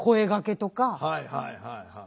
はいはいはいはい。